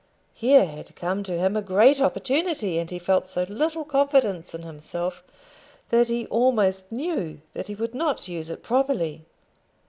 Here had come to him a great opportunity, and he felt so little confidence in himself that he almost knew that he would not use it properly.